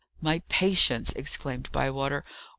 "My patience!" exclaimed Bywater.